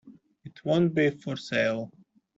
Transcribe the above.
It won't be for sale.